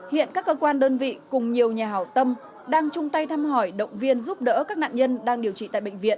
hiện các cơ quan đơn vị cùng nhiều nhà hảo tâm đang chung tay thăm hỏi động viên giúp đỡ các nạn nhân đang điều trị tại bệnh viện